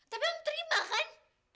tapi om terima kan